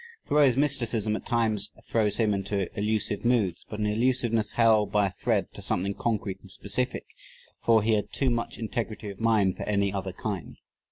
Thoreau's mysticism at times throws him into elusive moods but an elusiveness held by a thread to something concrete and specific, for he had too much integrity of mind for any other kind.